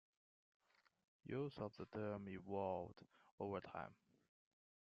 Use of the term evolved over time.